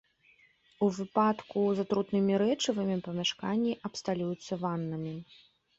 У выпадку з атрутнымі рэчывамі памяшканні абсталююцца ваннамі.